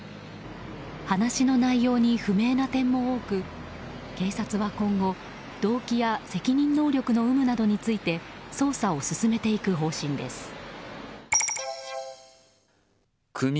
話の内容に不明な点も多く警察は今後、動機や責任能力の有無などについて捜査を進めていく方針です。